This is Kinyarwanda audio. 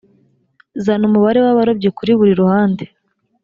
zana umubare w’abarobyi kuri buri ruhande